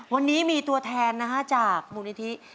วันนี้มีตัวแทนนะฮะจากมูลนิธิ